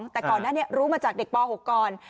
แต่ก่อนนั้นรู้มาจากเด็กป๖ก่อน